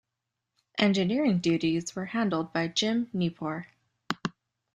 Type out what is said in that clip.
Engineering duties were handled by Jim Nipor.